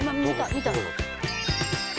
見た？